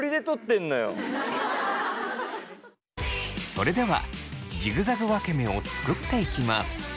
それではジグザグ分け目を作っていきます。